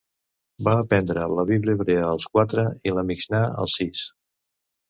Va aprendre la bíblia hebrea als quatre i la Mixnà als sis.